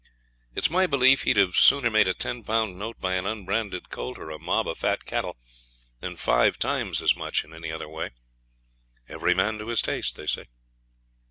It's my belief he'd have sooner made a ten pound note by an unbranded colt or a mob of fat cattle than five times as much in any other way. Every man to his taste, they say.